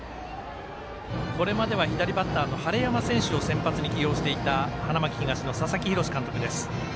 これまでは左バッターの晴山選手を先発起用していた佐々木洋監督です。